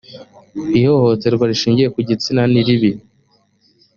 ihohoterwa rishingiye ku gitsina niribi